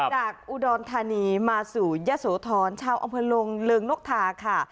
จากอุดรธานีมาสู่ยะโสธรชาวอำเภอลงเริงนกทาค่ะ